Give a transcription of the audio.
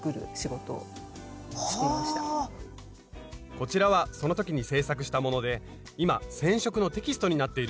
こちらはその時に制作したもので今染色のテキストになっているそうです。